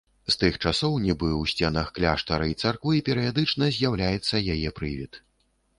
З тых часоў нібы ў сценах кляштара і царквы перыядычна з'яўляецца яе прывід.